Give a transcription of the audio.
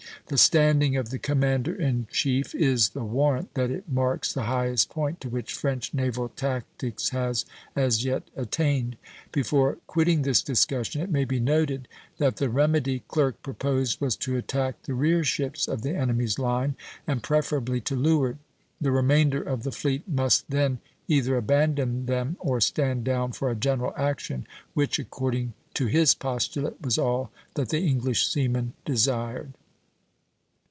The standing of the commander in chief is the warrant that it marks the highest point to which French naval tactics has as yet attained. Before quitting this discussion, it may be noted that the remedy Clerk proposed was to attack the rear ships of the enemy's line, and preferably to leeward; the remainder of the fleet must then either abandon them or stand down for a general action, which according to his postulate was all that the English seamen desired.